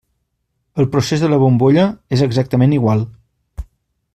El procés de la bombolla és exactament igual.